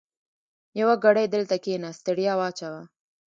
يوه ګړۍ دلته کېنه؛ ستړیا واچوه.